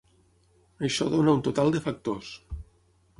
Això dóna un total de factors.